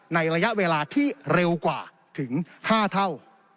ในระยะเวลาที่เร็วกว่าถึง๕เท่า